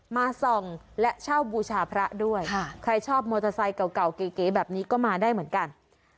มาส่องและเช่าบูชาพระด้วยใครชอบมอเตอร์ไซค์เก่าเก๋แบบนี้ก็มาได้เหมือนกัน